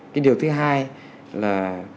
cái điều thứ hai là